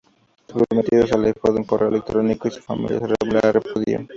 Su prometido la dejó con un correo electrónico y su familia la repudió.